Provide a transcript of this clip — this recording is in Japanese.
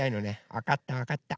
わかったわかった。